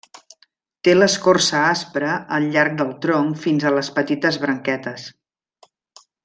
Té l'escorça aspra al llarg del tronc fins a les petites branquetes.